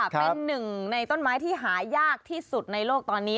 เป็นหนึ่งในต้นไม้ที่หายากที่สุดในโลกตอนนี้